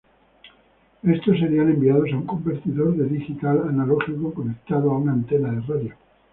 Estos serían enviados a un convertidor de digital-analógico conectado a una antena de radio.